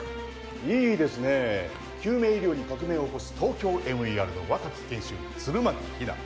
いいですね救命医療に革命を起こすＴＯＫＹＯＭＥＲの若き研修医弦巻比奈